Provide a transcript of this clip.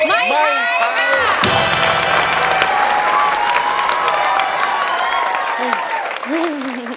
ไม่ใช้ครับ